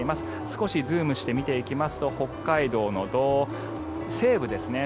少しズームして見ていきますと北海道の西部ですね